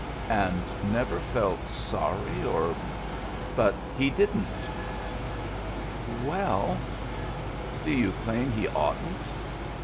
"And never felt sorry or —"" But he didn't." "Well —"" D'you claim he'd oughtn't?